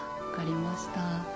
分かりました。